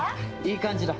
いい感じだ。